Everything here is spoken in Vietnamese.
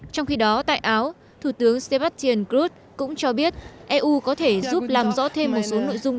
trong khi đó tại áo thủ tướng sebastian gruz cũng cho biết eu có thể giúp làm rõ thêm một số nội dung